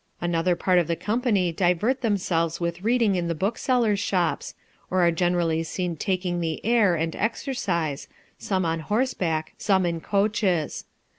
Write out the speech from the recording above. Another part of the company divert themselves with reading in the booksellers' shops, or are generally seen taking the air and exercise, some on horseback, some in coaches.